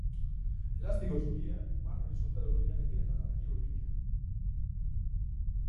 Elastiko zuria marra horizontal urdinarekin eta traineru urdina.